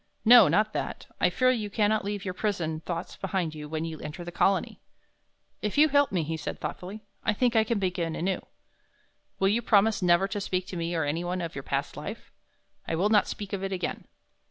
"No, not that; I fear you cannot leave your prison thoughts behind you when you enter the Colony." "If you help me," he said, thoughtfully, "I think I can begin anew." "Will you promise never to speak to me or anyone of your past life?" "I will not speak of it again."